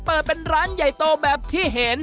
เปิดเป็นร้านใหญ่โตแบบที่เห็น